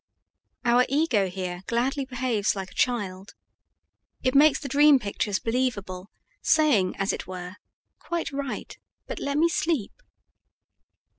Our ego here gladly behaves like a child; it makes the dream pictures believable, saying, as it were, "Quite right, but let me sleep."